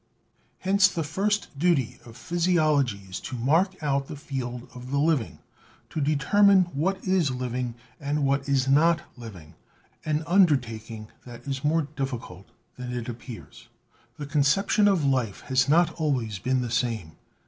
Hence the first duty of physiology is to mark out the field of the living, to determine what is living and what is not living — an undertaking that is more diffi cult than it appears. The conception of life has not always been the same.